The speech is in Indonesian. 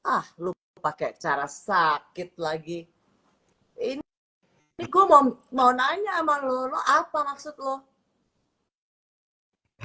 ah lupa kayak cara sakit lagi ini gua mau mau nanya sama lu apa maksud lu